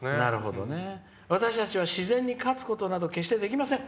「私たちは、自然に勝つことなど決してできません。